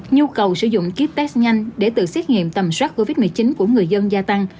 nhu cầu sử dụng kít test nhanh để tự xét nghiệm tầm soát covid một mươi chín của người dân gia tăng